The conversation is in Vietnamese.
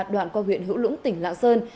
đoạn qua huyện hữu lũng tỉnh lạng sơn